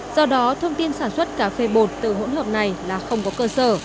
do đó thông tin sản xuất cà phê bột từ hỗn hợp này là không có cơ sở